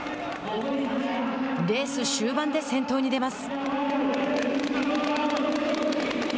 レース終盤で先頭に出ます。